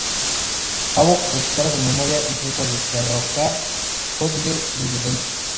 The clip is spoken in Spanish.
Havok recupera su memoria y trata de derrocar Hodge desde dentro.